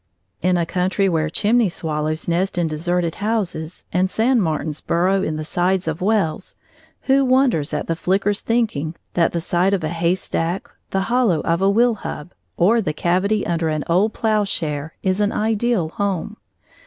In a country where chimney swallows nest in deserted houses, and sand martins burrow in the sides of wells, who wonders at the flicker's thinking that the side of a haystack, the hollow of a wheel hub, or the cavity under an old ploughshare, is an ideal home?